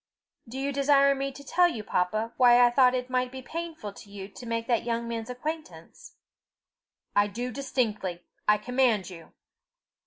"Do you desire me to tell you, papa, why I thought it might be painful to you to make that young man's acquaintance?" "I do distinctly. I command you."